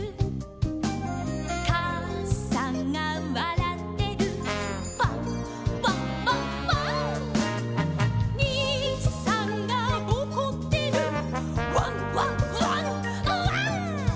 「かあさんがわらってる」「ワンワンワンワン」「にいさんがおこってる」「ワンワンワンワン」